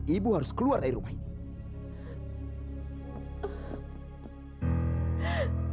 ibu harus keluar dari rumah ini